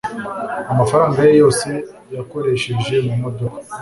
Amafaranga ye yose yakoresheje mumodoka.